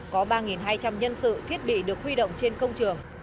có ba hai trăm linh nhân sự thiết bị được huy động trên công trường